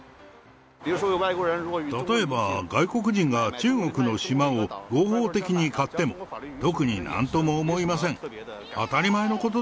例えば外国人が中国の島を合法的に買っても、特になんとも思いません。